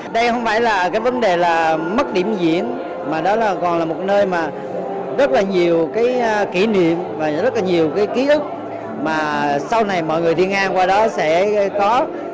đây không phải là cái vấn đề là mất điểm diễn mà đó là còn là một nơi mà rất là nhiều cái kỷ niệm và rất là nhiều cái ký ức mà sau này mọi người đi ngang qua đó sẽ có